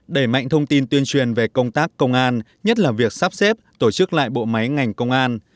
đẩy mạnh thông tin tuyên truyền về công tác công an nhất là việc sắp xếp tổ chức lại bộ máy ngành công an